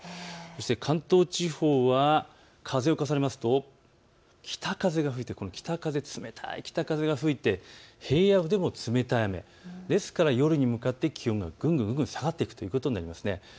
そして関東地方は風を重ねますと冷たい北風が吹いて平野部でも冷たい雨、ですから夜に向かって気温がぐんぐん下がっていくということになります。